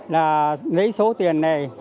là lấy số tiền này